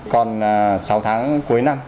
còn sáu tháng cuối năm